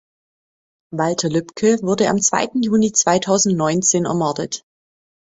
Walter Lübcke wurde am zweiten Juni zweitausendneunzehn ermordet.